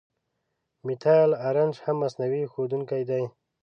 میتایل آرنج هم مصنوعي ښودونکی دی.